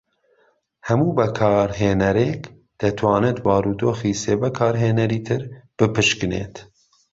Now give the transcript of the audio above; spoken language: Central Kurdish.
هەموو بەکارهێەرێک دەتوانێت بارودۆخی سێ بەکارهێنەری تر بپشکنێت.